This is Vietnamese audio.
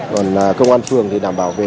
còn công an phường đảm bảo